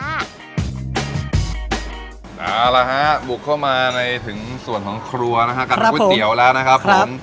เอาละฮะบุกเข้ามาในถึงส่วนของครัวนะฮะกับก๋วยเตี๋ยวแล้วนะครับผม